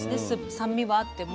酸味はあっても。